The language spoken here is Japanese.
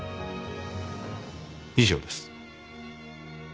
以上です。